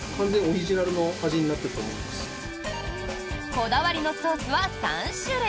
こだわりのソースは３種類。